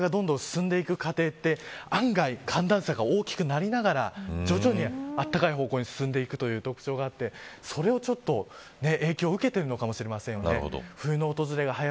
温暖化がどんどん進んでいく過程って、案外寒暖差が大きくなりながら徐々にあったかい方向に進んでいくという特徴があってそれをちょっと影響を受けているのかもしれません。